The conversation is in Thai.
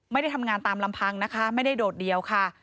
ไม่ได้ทำงานตามลำพังนะคะไม่ได้โดดเดียวค่ะ